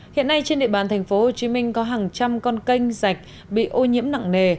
hiện nay trên địa bàn thành phố hồ chí minh có hàng trăm con canh rạch bị ô nhiễm nặng nề